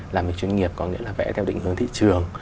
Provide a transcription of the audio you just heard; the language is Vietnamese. làm việc chuyên nghiệp có nghĩa là vẽ theo định hướng thị trường